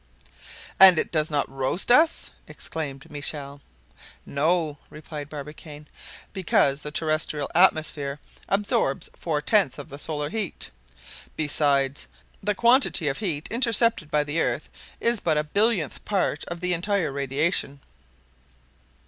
"And it does not roast us!" exclaimed Michel. "No," replied Barbicane, "because the terrestrial atmosphere absorbs four tenths of the solar heat; besides, the quantity of heat intercepted by the earth is but a billionth part of the entire radiation."